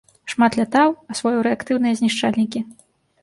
Шмат лятаў, асвоіў рэактыўныя знішчальнікі.